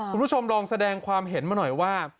คุณผู้ชมลองแสดงความเห็นมาหน่อยว่า